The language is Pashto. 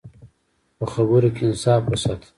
په خبرو کې انصاف وساته.